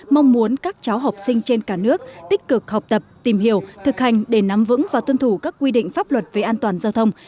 mong muốn các cháu học sinh trên cả nước tích cực học tập tìm hiểu thực hành để nắm vững và tuân thủ các quy định pháp luật về an toàn giao thông